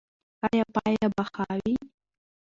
ایا پایله به ښه وي؟